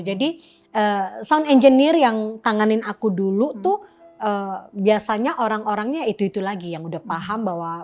jadi sound engineer yang tanganin aku dulu tuh biasanya orang orangnya itu itu lagi yang udah paham bahwa